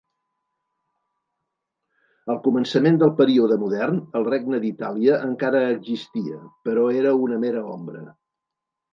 Al començament del període modern, el Regne d'Itàlia encara existia, però era una mera ombra.